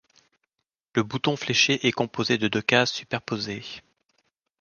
Le bouton fléché est composé de deux cases superposées.